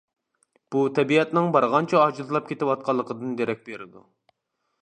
بۇ تەبىئەتنىڭ بارغانچە ئاجىزلاپ كېتىۋاتقانلىقىدىن دېرەك بېرىدۇ.